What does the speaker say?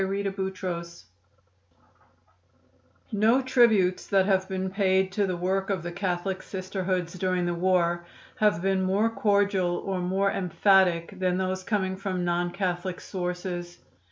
C. No tributes that have been paid to the work of the Catholic Sisterhoods during the war have been more cordial or more emphatic than those coming from non Catholic sources.